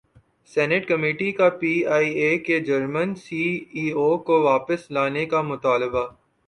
senate committee کا P I A کے German C E O کو واپس لانے کا مطالبہ